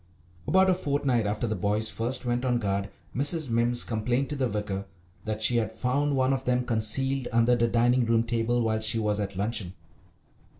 About a fortnight after the boys first went on guard Mrs. Mimms complained to the vicar that she had found one of them concealed under the dining room table while she was at luncheon.